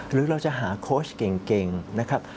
หรือเราจะหาโค้ชเก่งนะครับ